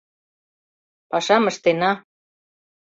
Пашам ыштена.